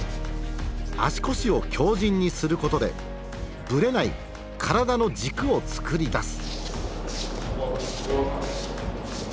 足腰を強靱にすることでぶれない体の軸を作り出す。